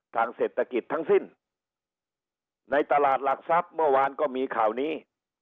ทางเศรษฐกิจทั้งสิ้นในตลาดหลักทรัพย์เมื่อวานก็มีข่าวนี้